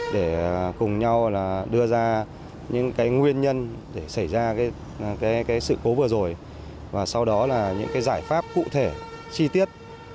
để cùng nhau đưa ra những nguyên nhân để xảy ra sự cố vừa rồi và sau đó là những cái giải pháp cụ thể chi tiết